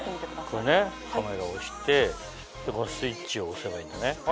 これねカメラ押してスイッチを押せばいいんだね。